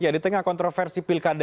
di tengah kontroversi pilkada